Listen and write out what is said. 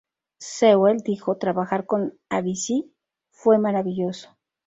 Sewell dijoː"Trabajar con Avicii fue maravilloso.